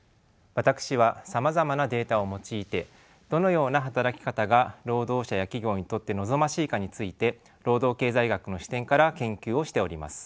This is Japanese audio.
私はさまざまなデータを用いてどのような働き方が労働者や企業にとって望ましいかについて労働経済学の視点から研究をしております。